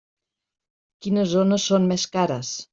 Quines zones són més cares?